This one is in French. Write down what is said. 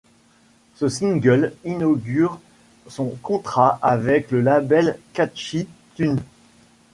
Ce single inaugure son contrat avec le label Catchy Tunes.